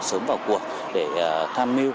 sớm vào cuộc để tham mưu